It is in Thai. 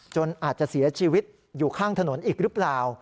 อาจจะเสียชีวิตอยู่ข้างถนนอีกหรือเปล่า